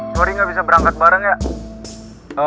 sorry gak bisa berangkat bareng ya